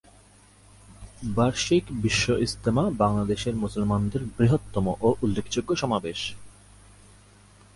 বার্ষিক বিশ্ব ইজতেমা বাংলাদেশের মুসলমানদের বৃহত্তম ও উল্লেখযোগ্য সমাবেশ।